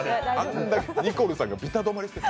ニコルさんがビタ止まり。